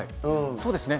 そうですね。